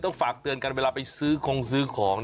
ฝากเตือนกันเวลาไปซื้อคงซื้อของ